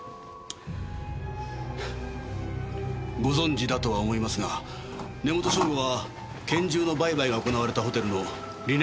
ご存じだとは思いますが根元尚吾は拳銃の売買が行われたホテルのリネン係をしてました。